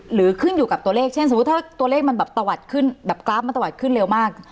ขึ้นอยู่กับตัวเลขเช่นสมมุติถ้าตัวเลขมันแบบตะวัดขึ้นแบบกราฟมันตะวัดขึ้นเร็วมาก